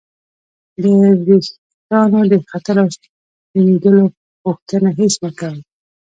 د ورېښتانو د ختلو او سپینیدلو پوښتنه هېڅ مه کوئ!